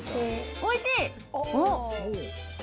おいしい？